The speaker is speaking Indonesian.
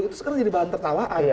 itu sekarang jadi bahan tertawaan